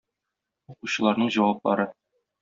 Укучыларның җаваплары.